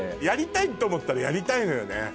やりたいと思ったらやりたいのよね。